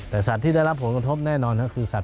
แต่สัตว์ที่ได้รับผลกระทบแน่นอน